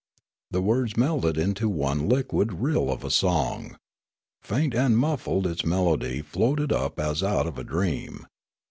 The words melted into one liquid rill of song. Faint and muffled its melod}' floated up as out of a dream.